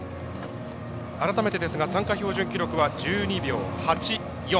改めてですが参加標準記録は１２秒８４。